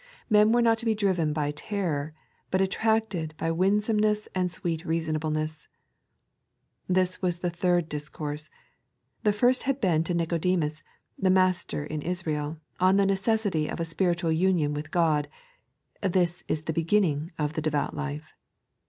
Men were not to be driven by terror, but attracted by winaomeoees and sweet reasonableness. This was the third discourse. The first had been to Nicodemus, the n^aster in Israel, on the necessity of a spiritual union with Ood — this is the beginning of the devout life.